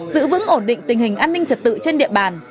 giữ vững ổn định tình hình an ninh trật tự trên địa bàn